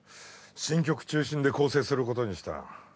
新曲中心で構成する事にした。